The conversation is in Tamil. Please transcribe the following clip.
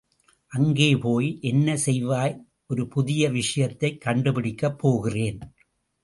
அங்கே போய் என்ன செய்வாய்? ஒரு புதிய விஷயத்தைக் கண்டுபிடிக்கப் போகிறேன்.